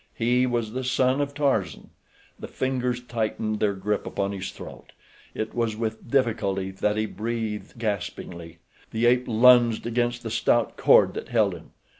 He was the son of Tarzan. The fingers tightened their grip upon his throat. It was with difficulty that he breathed, gaspingly. The ape lunged against the stout cord that held him.